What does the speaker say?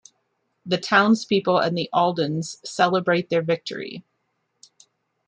The townspeople and the Aldens celebrate their victory.